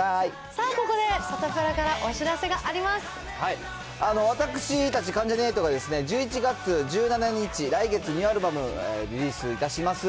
ここでサタプラからお知らせ私たち、関ジャニ∞がですね、１１月１７日、来月ニューアルバム、リリースいたします。